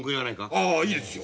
ああいいですよ。